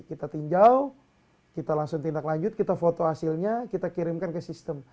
kita pinjau kita langsung tindaklanjuti kita foto hasilnya kita kirimkan ke sistem